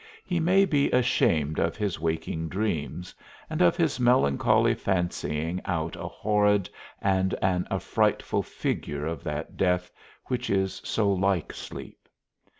he may be ashamed of his waking dreams, and of his melancholy fancying out a horrid and an affrightful figure of that death which is so like sleep.